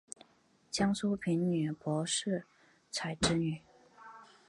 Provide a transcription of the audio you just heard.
江苏平民柏士彩之女。